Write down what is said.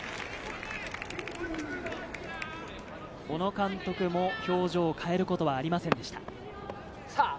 小野監督も表情を変えることはありませんでした。